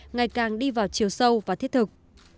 ngày càng đi vào chiều sâu và thiết thực